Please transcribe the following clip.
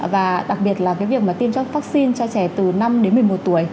và đặc biệt là cái việc mà tiêm cho vaccine cho trẻ từ năm đến một mươi một tuổi